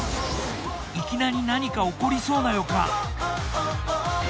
いきなり何か起こりそうな予感。